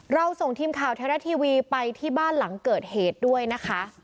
ส่งทีมข่าวไทยรัฐทีวีไปที่บ้านหลังเกิดเหตุด้วยนะคะ